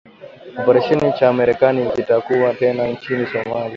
operesheni cha Marekani kitakuwa tena nchini Somalia